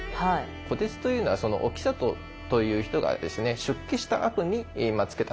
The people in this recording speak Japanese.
虎徹というのはその興里という人がですね出家したあとに付けた名前になるんです。